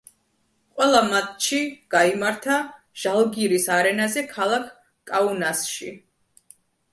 ყველა მატჩი გაიმართა ჟალგირის არენაზე ქალაქ კაუნასში.